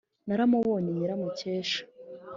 naramubonye nyiramukesha